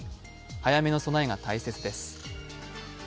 早めの備えが大切です。